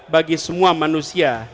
bagi semua manusia